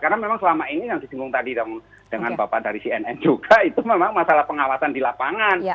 karena memang selama ini yang disinggung tadi dengan bapak dari cnn juga itu memang masalah pengawasan di lapangan